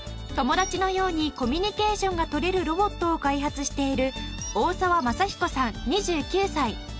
友達のようにコミュニケーションが取れるロボットを開発している大澤正彦さん２９歳。